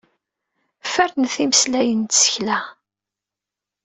Fernet imeslayen n tsekla.